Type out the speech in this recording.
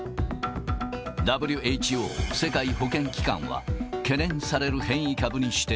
ＷＨＯ・世界保健機関は懸念される変異株に指定。